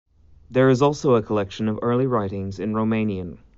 There is also a collection of early writings in Romanian.